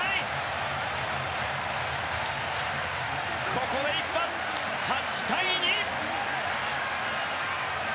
ここで一発、８対２。